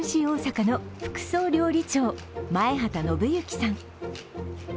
大阪の副総料理長・前畠伸幸さん。